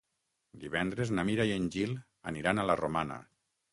Divendres na Mira i en Gil aniran a la Romana.